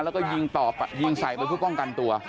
แล้วก็ยิงใส่ไปคุณป้องกันตัว